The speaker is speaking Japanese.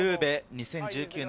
２０１９年